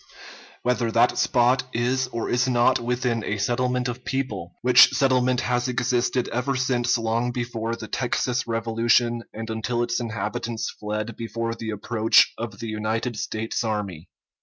_ Whether that spot is or is not within a settlement of people, which settlement has existed ever since long before the Texas revolution and until its inhabitants fled before the approach of the United States army.